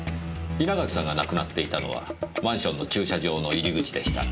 稲垣さんが亡くなっていたのはマンションの駐車場の入り口でした。